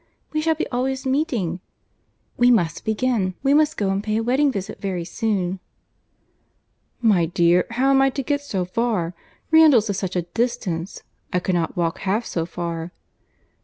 —We shall be always meeting! We must begin; we must go and pay wedding visit very soon." "My dear, how am I to get so far? Randalls is such a distance. I could not walk half so far."